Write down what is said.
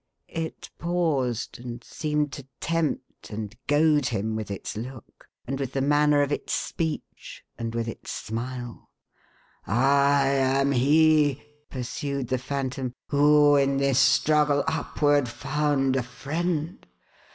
It paused, and seemed to tempt and goad him with its look, and with the manner of its speech, and with its smile. «* I am he," pursued the Phantom, " who, in this struggle upward, found a friend.